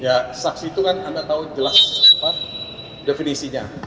ya saksi itu kan anda tahu jelas definisinya